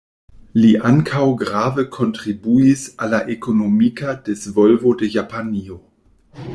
Li ankaŭ grave kontribuis al la ekonomika disvolvo de Japanio.